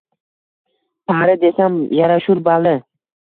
Pari desam yarashur, bali.